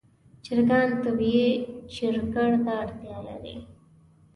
چرګان طبیعي چرګړ ته اړتیا لري.